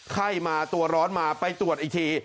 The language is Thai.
ไข้มาตัวร้อนมาไปตรวจอีกที